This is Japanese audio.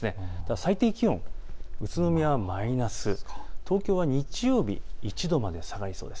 最低気温、宇都宮はマイナス東京は日曜日１度まで下がりそうです。